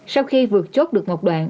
sau khi vượt chốt được một đoạn